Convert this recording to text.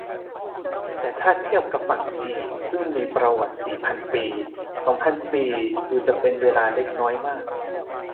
แต่ถ้าเทียบกับฝั่งจีนซึ่งมีประวัติสี่พันปี สองพันปีดูจะเป็นเวลาเล็กน้อยมาก